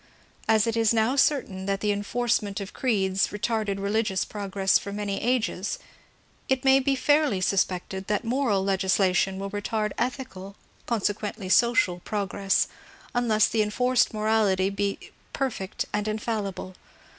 As it is now certain that the enforcement of creeds retarded religious progress for many ages, it may be fairly suspected that moral legislation will retard ethical, conse quently social, progress, unless the enforced morality be per fect and infallible.